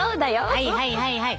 はいはいはいはい。